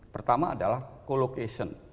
pertama adalah collocation